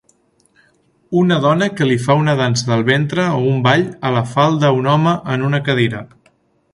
Una dona que li fa una dansa del ventre o un ball a la falda a un home en una cadira.